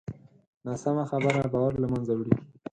ناسمه خبره باور له منځه وړي